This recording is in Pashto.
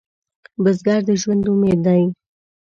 بزګر د ژوند امید دی